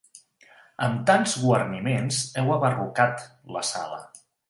Amb tants guarniments heu abarrocat la sala.